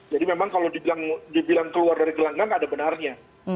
jadi memang kalau dibilang keluar dari gelanggang ada benarnya